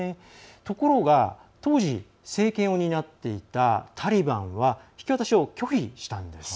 ところが、当時政権を担っていたタリバンは引き渡しを拒否したんです。